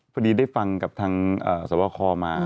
พอดีได้ฟังกับทางสวบคอมา